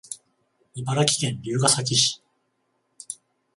茨城県龍ケ崎市